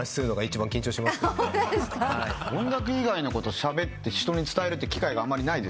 音楽以外のことしゃべって人に伝えるって機会があんまりないですからね。